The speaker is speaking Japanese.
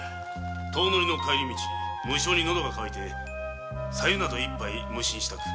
遠乗りの帰り道無性にのどが渇いてさ湯など一杯無心したく。